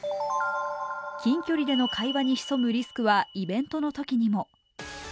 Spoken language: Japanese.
近距離での会話に潜むリスクはイベントのときにも。